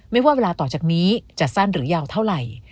ว่าเวลาต่อจากนี้จะสั้นหรือยาวเท่าไหร่